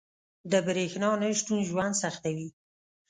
• د برېښنا نه شتون ژوند سختوي.